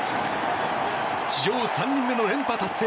史上３人目の連覇達成。